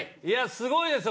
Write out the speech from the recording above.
すごいですね